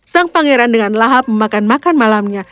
sang pangeran dengan lahap memakan makan malamnya